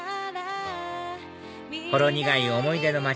ほろ苦い思い出の街